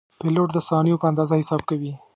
پیلوټ د ثانیو په اندازه حساب کوي.